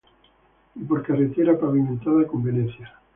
Y por carretera pavimentada con Venecia.